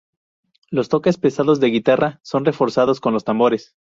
Los toques pesados de guitarra son reforzados con los tambores.